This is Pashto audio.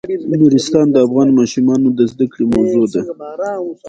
نورستان د افغان ماشومانو د زده کړې موضوع ده.